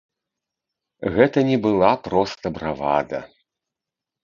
Гэта не была проста бравада.